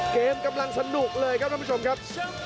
กำลังสนุกเลยครับท่านผู้ชมครับ